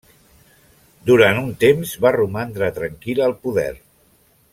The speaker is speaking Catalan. Durant un temps va romandre tranquil al poder.